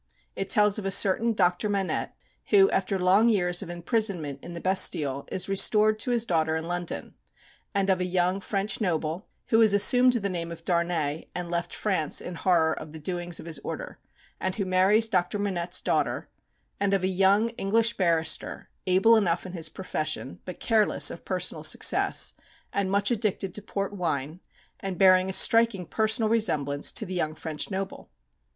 It tells of a certain Dr. Manette, who, after long years of imprisonment in the Bastille, is restored to his daughter in London; and of a young French noble, who has assumed the name of Darnay, and left France in horror of the doings of his order, and who marries Dr. Manette's daughter; and of a young English barrister, able enough in his profession, but careless of personal success, and much addicted to port wine, and bearing a striking personal resemblance to the young French noble.